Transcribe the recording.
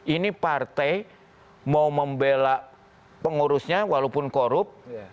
ini partai mau membela pengurusnya walaupun korup